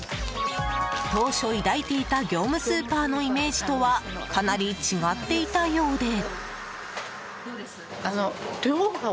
当初、抱いていた業務スーパーのイメージとはかなり違っていたようで。